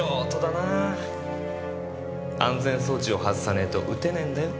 安全装置を外さねえと撃てねえんだよ。